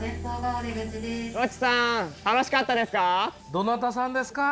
どなたさんですか？